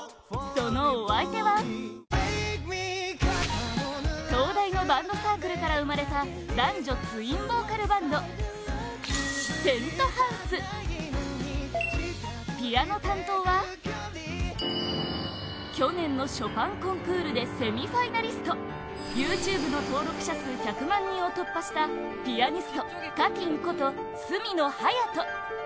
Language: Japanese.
そのお相手は東大のバンドサークルから生まれた男女ツインボーカルバンドＰｅｎｔｈｏｕｓｅピアノ担当は去年のショパンコンクールでセミ・ファイナリストＹｏｕＴｕｂｅの登録者数１００万人を突破したピアニストＣａｔｅｅｎこと角野隼斗